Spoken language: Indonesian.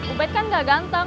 ubed kan gak ganteng